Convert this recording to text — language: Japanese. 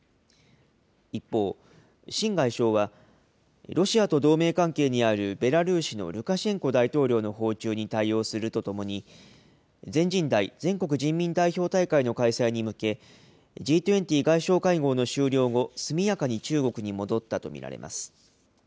一方、秦外相は、ロシアと同盟関係にあるベラルーシのルカシェンコ大統領の訪中に対応するとともに、全人代・全国人民代表大会の開催に向け、Ｇ２０外相会合の終了後、速やかに中国に戻ったと見られます。